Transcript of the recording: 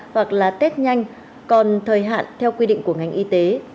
hoặc là tết nhanh còn thời hạn theo quy định của ngành y tế